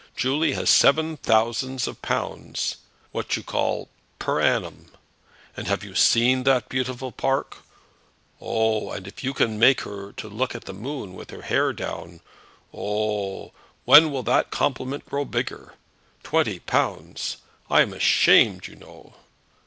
Julie has seven thousands of pounds, what you call, per annum. And have you seen that beautiful park? Oh! And if you can make her to look at the moon with her hair down, oh! When will that compliment grow bigger? Twenty pounds! I am ashamed, you know."